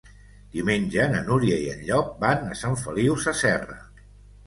Diumenge na Núria i en Llop van a Sant Feliu Sasserra.